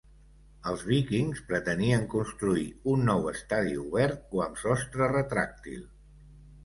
Els Vikings pretenien construir un nou estadi obert o amb sostre retràctil.